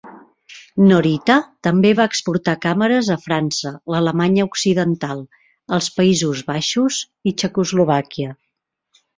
Norita també va exportar càmeres a França, l'Alemanya Occidental, els Països Baixos i Txecoslovàquia.